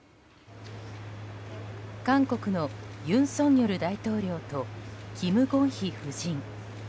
韓国の尹錫悦大統領とキム・ゴンヒ夫人。